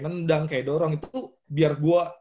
nendang kayak d commencement gitu tuh biar gua tol b jung at